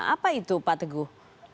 apa itu pak teguh